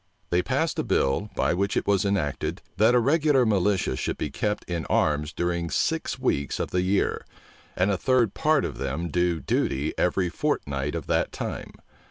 They passed a bill, by which it was enacted, that a regular militia should be kept in arms during six weeks of the year, and a third part of them do duty every fortnight of that time.